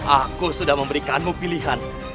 aku sudah memberikanmu pilihan